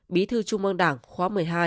bí thư trung ương đảng khóa một mươi hai